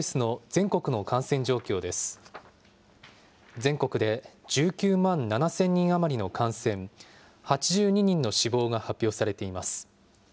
全国で１９万７０００人余りの感染、８２人の死亡が発表されています。